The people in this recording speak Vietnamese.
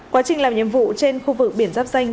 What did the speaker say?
quá trình làm nhiệm vụ trên khu vực biển giáp danh